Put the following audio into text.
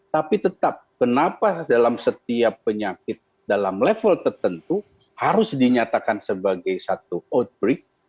tapi tetap kenapa dalam setiap penyakit dalam level tertentu harus dinyatakan sebagai satu outbreak